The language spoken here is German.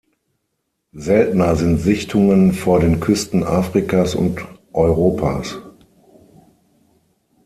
Seltener sind Sichtungen vor den Küsten Afrikas und Europas.